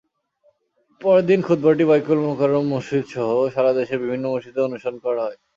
পরদিন খুতবাটি বায়তুল মোকাররম মসজিদসহ সারা দেশের বিভিন্ন মসজিদে অনুসরণ করা হয়।